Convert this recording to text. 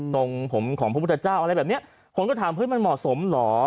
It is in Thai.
ตรงผมของพระพุทธเจ้าอะไรแบบนี้คนก็ถามเฮ้ยมันเหมาะสมเหรอ